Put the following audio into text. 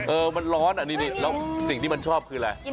เออมันร้อนอ่ะนี่แล้วสิ่งที่มันชอบคืออะไร